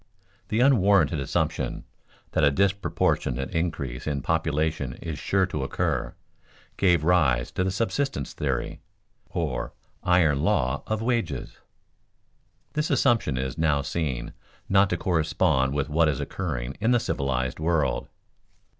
_The unwarranted assumption that a disproportionate increase in population is sure to occur, gave rise to the subsistence theory, or iron law of wages._ This assumption is now seen not to correspond with what is occurring in the civilized world.